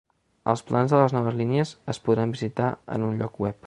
Els plans de les noves línies es podran visitar en un lloc web.